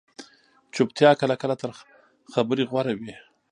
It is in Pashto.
چُپتیا کله کله تر خبرې غوره وي